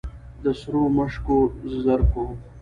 د سرو مشوکو زرکو